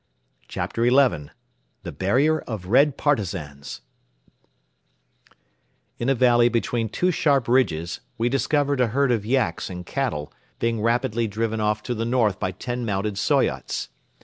CHAPTER XI THE BARRIER OF RED PARTISANS In a valley between two sharp ridges we discovered a herd of yaks and cattle being rapidly driven off to the north by ten mounted Soyots.